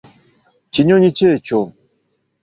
Kinyonyi ki ekyo?